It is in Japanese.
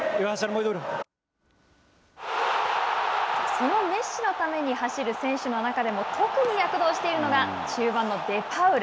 そのメッシのために走る選手の中でも、特に躍動しているのが中盤のデパウル。